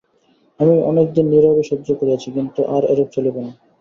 আমি অনেক দিন নীরবে সহ্য করিয়াছি, কিন্তু আর এরূপ চলিবে না।